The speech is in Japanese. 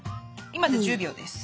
今で１０秒です。